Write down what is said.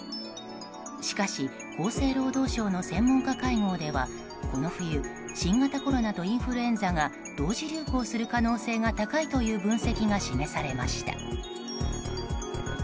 しかし、厚生労働省の専門家会合ではこの冬、新型コロナとインフルエンザが同時流行する可能性が高いという分析が示されました。